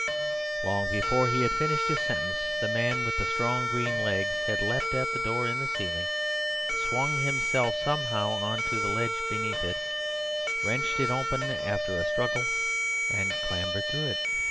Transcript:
Long before he had finished his sentence the man with the strong green legs had leapt at the door in the ceiling, swung himself somehow on to the ledge beneath it, wrenched it open after a struggle, and clambered through it.